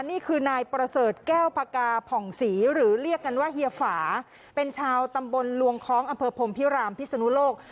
นี่คือนายประเสริฐแก้วพกาผ่องศรีหรือเรียกกันว่าเฮียฝาเป็นชาวตำบลลวงคล้องอำเภอพรมพิรามพิศนุโลก